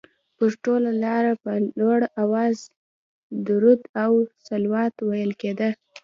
پر ټوله لاره په لوړ اواز درود او صلوات ویل کېده.